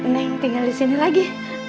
neng tinggal di sini lagi